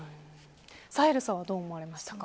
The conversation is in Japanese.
サヘルさんはどう思われましたか。